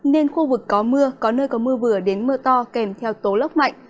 nên khu vực có mưa có nơi có mưa vừa đến mưa to kèm theo tố lốc mạnh